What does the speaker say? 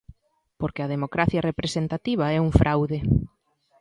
Porque a democracia representativa é un fraude.